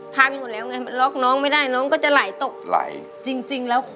๒๓ปีแล้วจ้ะ๒๓ปีแล้ว